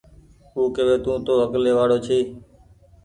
او ڪوي تونٚ تو اڪلي وآڙو ڇي